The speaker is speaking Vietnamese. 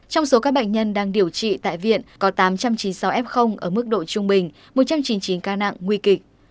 trong số các bệnh nhân đang điều trị tại viện có tám trăm chín mươi sáu f ở mức độ trung bình một trăm chín mươi chín ca nặng nguy kịch